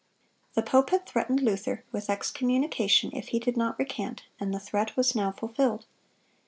(195) The pope had threatened Luther with excommunication if he did not recant, and the threat was now fulfilled.